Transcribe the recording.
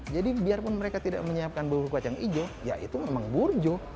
jadi biarpun mereka tidak menyiapkan buah kacang hijau ya itu memang burjo